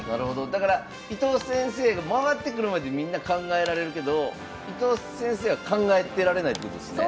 だから伊藤先生が回ってくるまでみんな考えられるけど伊藤先生は考えてられないってことですね？